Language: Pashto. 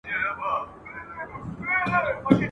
نه مو آرام نه شین اسمان ولیدی ..